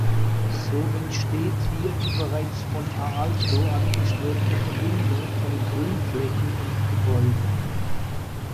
So entsteht hier die bereits von Aalto angestrebte Verbindung von Grünflächen und Gebäude.